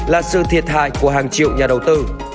là sự thiệt hại của hàng triệu nhà đầu tư